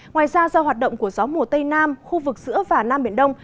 ngoài ra do hoạt động của gió mùa tây nam khu vực giữa và nam biển đông